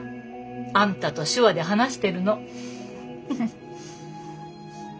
あんたと手話で話してるの。